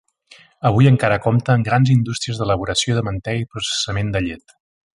Avui, encara compta amb grans indústries d'elaboració de mantega i processament de llet.